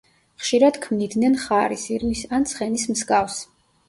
ხშირად ქმნიდნენ ხარის, ირმის ან ცხენის მსგავს.